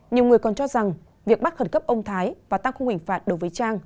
nhiều người còn cho rằng việc bắt khẩn cấp ông thái và tăng khung hình phạt đối với trang